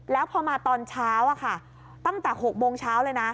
แล้วพอมาตอนเช้าตั้งแต่๖โมงเช้าเลยนะ